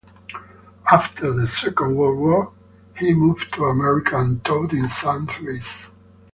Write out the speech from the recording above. After the Second World War he moved to America and taught in Saint Louis.